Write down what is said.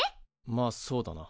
まあそうだな。